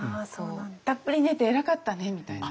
「たっぷり寝て偉かったね」みたいな。